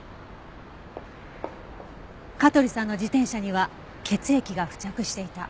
香取さんの自転車には血液が付着していた。